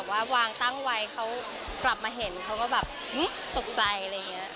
ว่าวางตั้งไว้เขากลับมาเห็นเขาก็แบบตกใจอะไรอย่างนี้